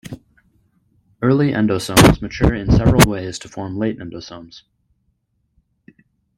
Early endosomes mature in several ways to form late endosomes.